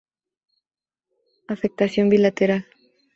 V: afectación bilateral.